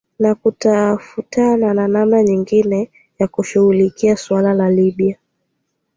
na kutafutana na namna nyingine ya kushughulikia suala la libya